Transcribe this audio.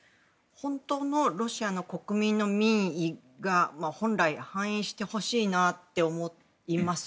本当のロシア国民の民意を反映してほしいなと思います。